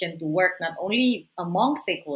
untuk bekerja bukan hanya di antara pegawai